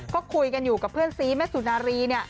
ก็คุยกันอยู่กับเพื่อนซีแม่สุนารีเนี่ย